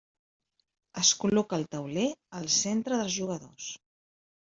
Es col·loca el tauler al centre dels jugadors.